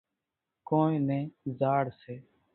ڪونئين نين زاڙ سي۔